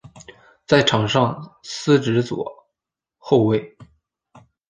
在场上司职左后卫。